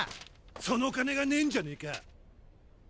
その金がねェんじゃねぇか。